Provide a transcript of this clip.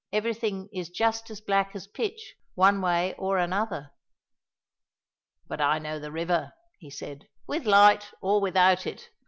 Everything is just as black as pitch, one way or another." "But I know the river," he said, "with light or without it.